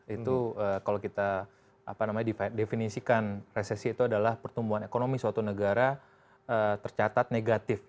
itu kalau kita definisikan resesi itu adalah pertumbuhan ekonomi suatu negara tercatat negatif